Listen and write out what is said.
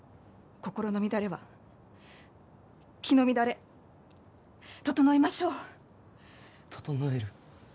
心の乱れは気の乱れ整えましょう整える？